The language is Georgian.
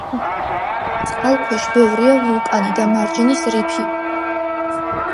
წყალქვეშ ბევრია ვულკანი და მარჯნის რიფი.